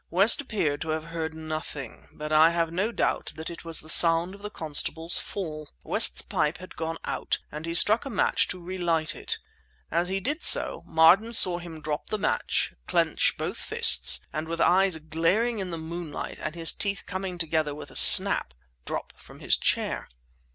West appeared to have heard nothing; but I have no doubt that it was the sound of the constable's fall. West's pipe had gone out, and he struck a match to relight it. As he did so, Marden saw him drop the match, clench both fists, and with eyes glaring in the moonlight and his teeth coming together with a snap, drop from his chair.